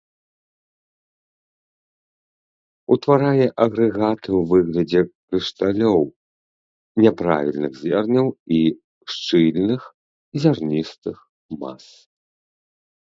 Утварае агрэгаты ў выглядзе крышталёў, няправільных зерняў і шчыльных зярністых мас.